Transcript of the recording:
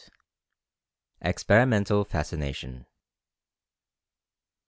EXPERIMENTAL FASCINATION.